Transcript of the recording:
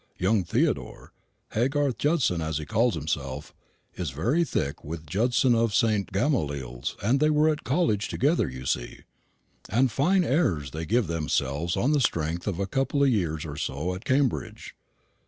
Young Theodore Haygarth Judson as he calls himself is very thick with Judson of St. Gamaliel's, they were at college together, you see: and fine airs they give themselves on the strength of a couple of years or so at Cambridge.